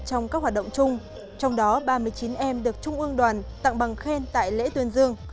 trong các hoạt động chung trong đó ba mươi chín em được trung ương đoàn tặng bằng khen tại lễ tuyên dương